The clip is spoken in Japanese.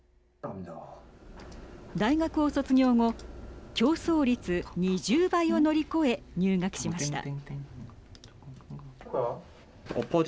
大学を卒業後競争率２０倍を乗り越え入学しました。